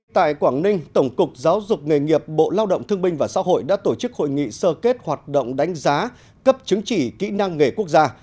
tại quảng ninh tổng cục giáo dục nghề nghiệp bộ lao động thương binh và xã hội đã tổ chức hội nghị sơ kết hoạt động đánh giá cấp chứng chỉ kỹ năng nghề quốc gia